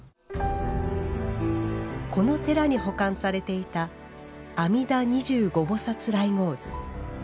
この寺に保管されていた「阿弥陀二十五菩薩来迎図」。